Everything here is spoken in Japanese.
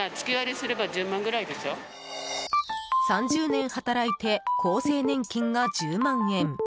３０年働いて厚生年金が１０万円。